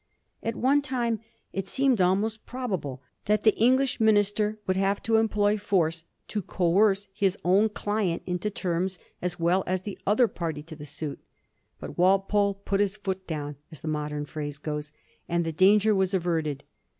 At one time it seemed almost prob able that the English minister would have to employ force to coerce his own client into terms as well as the other party to the suit. But Walpole " put his foot down," as the modern phrase goes, and the danger was averted.